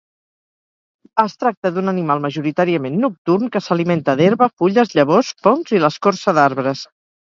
Es tracta d'un animal majoritàriament nocturn que s'alimenta d'herba, fulles, llavors, fongs i l'escorça d'arbres.